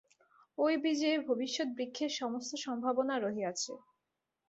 ঐ বীজে ভবিষ্যৎ বৃক্ষের সমস্ত সম্ভাবনা রহিয়াছে।